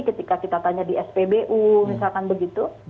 ketika kita tanya di spbu misalkan begitu